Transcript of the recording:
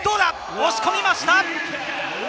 押し込みました。